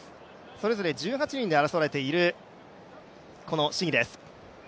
それぞれ１８人で争われているこの試技です。